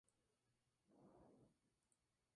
Algunas veces utilizó el seudónimo de Yves Champlain.